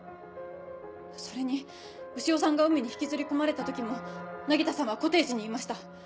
それに潮さんが海に引きずり込まれた時も凪田さんはコテージにいました。